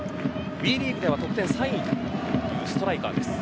ＷＥリーグでは得点３位というストライカーです。